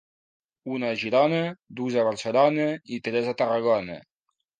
Una a Girona, dos a Barcelona i tres a Tarragona.